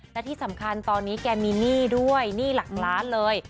และที่สำคัญตอนนี้แกมีหนี้ด้วยหนี้หลักล้านเลย